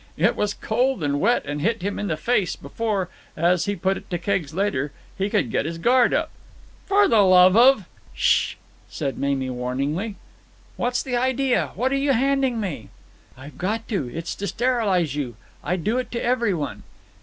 It was cold and wet and hit him in the face before, as he put it to Keggs later, he could get his guard up. "For the love of——" "Sh!" said Mamie warningly. "What's the idea? What are you handing me?" "I've got to. It's to sterilize you. I do it to every one."